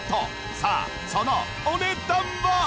さあそのお値段は！？